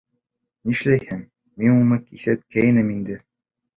Нишләйһең, мин уны киҫәткәйнем инде.